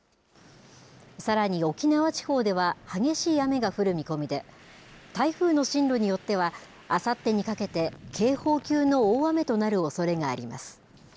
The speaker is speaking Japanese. さらに沖縄地方では激しい雨が降る見込みで、台風の進路によっては、あさってにかけて、警報級の大雨となるおそれがあります。